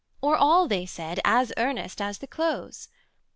Or all, they said, as earnest as the close?